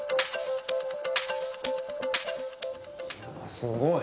すごい。